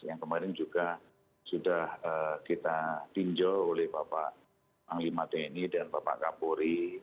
yang kemarin juga sudah kita tinjau oleh bapak anglima deni dan bapak kapuri